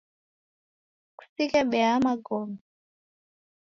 Kusighe beya ya magome